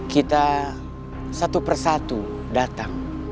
kita satu persatu datang